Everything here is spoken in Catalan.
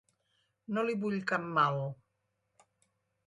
No li vull cap mal.